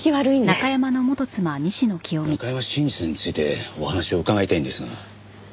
中山信二さんについてお話を伺いたいんですが。